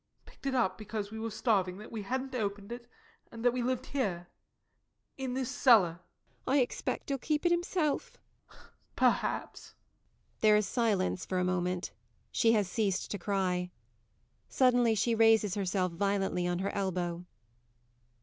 Picked it up because we were starving. That we hadn't opened it. And that we lived here, in this cellar. MARY. [With a little shake.] I expect he'll keep it himself! JOE. [Miserably.] Perhaps. [_There is silence for a moment; she has ceased to cry; suddenly she raises herself violently on her elbow.